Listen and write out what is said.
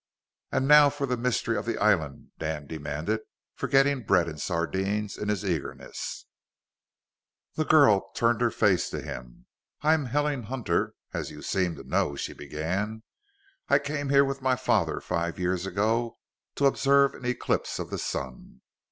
"And now for the mystery of the island," Dan demanded, forgetting bread and sardines in his eagerness. The girl turned her face to him. "I'm Helen Hunter, as you seem to know," she began. "I came here with my father five years ago to observe an eclipse of the sun.